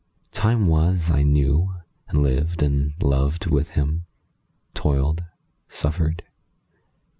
Time was I knew, and lived and loved with him; Toiled, suffered.